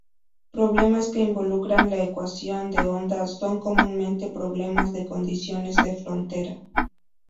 Problemas que involucran la ecuación de onda son comúnmente problemas de condiciones de frontera.